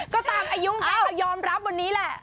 ก็ตามอายุของเขายอมรับวันนี้แหละ